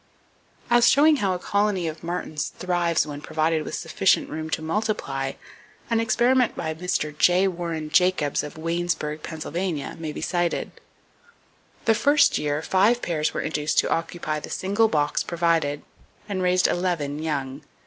As showing how a colony of martins thrives when provided with sufficient room to multiply, an experiment by Mr. J. Warren Jacobs, of Waynesburg, Pa., may be cited. The first year five pairs were induced to occupy the single box provided, and raised eleven young.